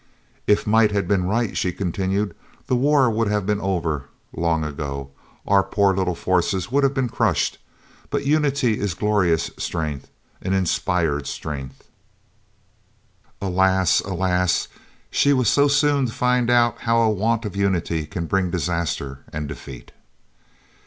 "If might had been right," she continued, "the war would have been over long ago our poor little forces would have been crushed but unity is glorious strength, an inspired strength." Alas, alas, that she was so soon to find out how a want of unity can bring disaster and defeat!